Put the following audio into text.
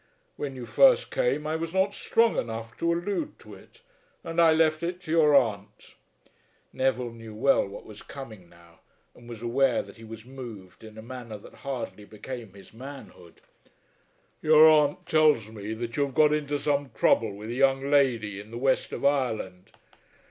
When you first came I was not strong enough to allude to it, and I left it to your aunt." Neville knew well what was coming now, and was aware that he was moved in a manner that hardly became his manhood. "Your aunt tells me that you have got into some trouble with a young lady in the west of Ireland."